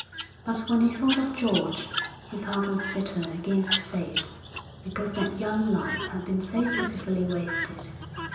But when he thought of George, his heart was bitter against fate because that young life had been so pitifully wasted.